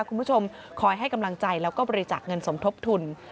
คอยให้กำลังใจแล้วก็บริจาคเงินสมทบทุน